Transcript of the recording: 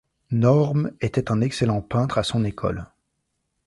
Norm était un excellent peintre à son école.